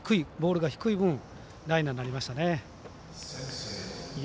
ボールが低い分内野安打になりましたね。